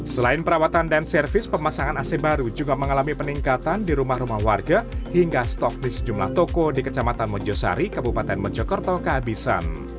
selain perawatan dan servis pemasangan ac baru juga mengalami peningkatan di rumah rumah warga hingga stok di sejumlah toko di kecamatan mojosari kabupaten mojokerto kehabisan